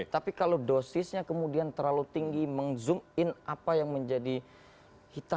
tapi kalau dosisnya kemudian terlalu tinggi meng zoom in apa yang menjadi hitam